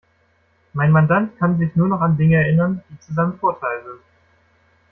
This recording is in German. Mein Mandant kann sich nur noch an Dinge erinnern, die zu seinem Vorteil sind.